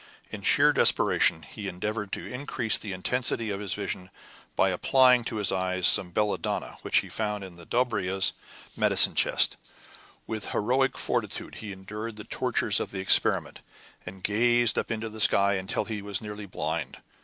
In sheer desperation, he endeavored to increase the intensity of his vision by applying to his eyes some belladonna which he found in the Dobryna's medicine chest; with heroic fortitude he endured the tortures of the experiment, and gazed up into the sky until he was nearly blind.